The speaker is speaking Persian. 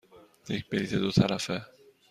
یک بلیط دو طرفه.